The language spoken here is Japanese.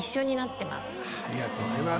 ありがとうございます。